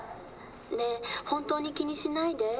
ねえ本当に気にしないで」